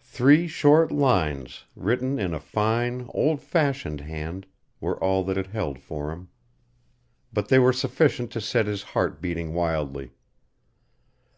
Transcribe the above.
Three short lines, written in a fine, old fashioned hand, were all that it held for him. But they were sufficient to set his heart, beating wildly.